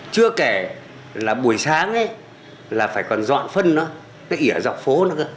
chưa kể là buổi sáng ấy là phải còn dọn phân nó nó ỉa dọc phố nó cơ